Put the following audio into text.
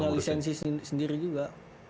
punya lisensi sendiri juga